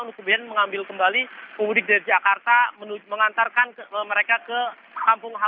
pemudik yang akan kembali ke jakarta pengambil pemudik dari jakarta mengantarkan mereka ke kampung harimau